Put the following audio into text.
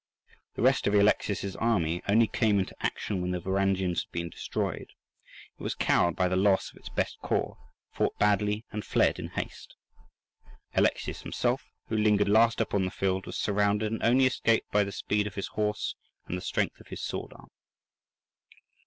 The rest of Alexius's army only came into action when the Varangians had been destroyed. It was cowed by the loss of its best corps, fought badly, and fled in haste. Alexius himself, who lingered last upon the field, was surrounded, and only escaped by the speed of his horse and the strength of his sword arm.